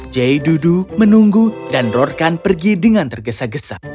jay duduk menunggu dan rorkan pergi dengan tergesa gesa